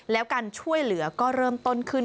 แล้วการช่วยเหลือก็เริ่มต้นขึ้น